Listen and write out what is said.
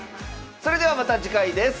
それではまた次回です。